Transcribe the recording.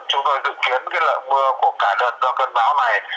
chúng tôi dự kiến cái lượng mưa của cả đợt cơn bão này